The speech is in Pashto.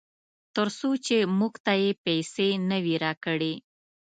ترڅو چې موږ ته یې پیسې نه وي راکړې.